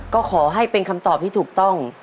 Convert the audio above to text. ก็ขอให้เป็นคำตอบที่ถูกต้อง